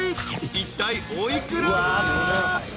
いったいお幾ら？］